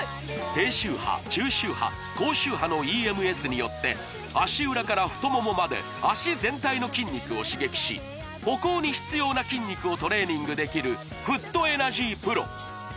低周波中周波高周波のＥＭＳによって足裏から太ももまで脚全体の筋肉を刺激し歩行に必要な筋肉をトレーニングできるフットエナジーＰＲＯ